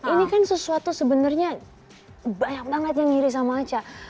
ini kan sesuatu sebenarnya banyak banget yang ngiri sama aca